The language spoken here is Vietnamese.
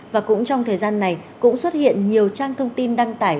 và cũng trong thời gian này cũng xuất hiện nhiều trang thông tin đăng tải